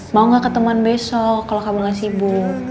mau gak ketemuan besok kalau kamu gak sibuk